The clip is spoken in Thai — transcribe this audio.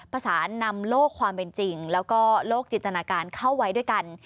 นำโลกความเป็นจริงแล้วก็โลกจิตนาการเข้าไว้ด้วยกัน